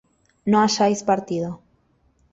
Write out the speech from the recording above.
no hayáis partido